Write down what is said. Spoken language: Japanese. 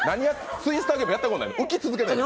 「ツイスターゲーム」やったことないの？